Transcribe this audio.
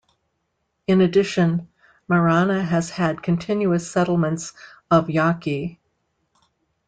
In addition, Marana has had continuous settlements of Yaqui.